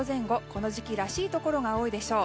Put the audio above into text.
この時期らしいところが多いでしょう。